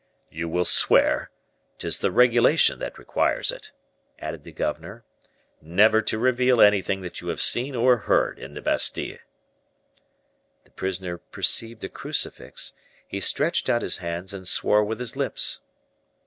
"You will swear ['tis the regulation that requires it)," added the governor, "never to reveal anything that you have seen or heard in the Bastile." The prisoner perceived a crucifix; he stretched out his hands and swore with his lips.